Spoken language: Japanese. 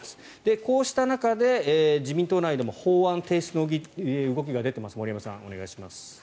こうした中で自民党内でも法案提出の動きが出ています森山さん、お願いします。